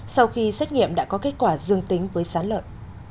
sau khi xét nghiệm đã có kết quả dương tính với sán lợn